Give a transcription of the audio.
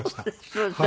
そうですよ。